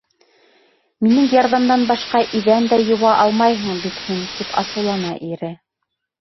— Минең ярҙамдан башҡа иҙән дә йыуа алмайһың бит һин, — тип асыулана ире.